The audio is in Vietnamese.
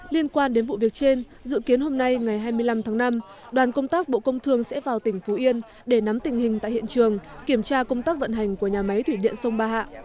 liên quan đến vụ việc trên dự kiến hôm nay ngày hai mươi năm tháng năm đoàn công tác bộ công thương sẽ vào tỉnh phú yên để nắm tình hình tại hiện trường kiểm tra công tác vận hành của nhà máy thủy điện sông ba hạ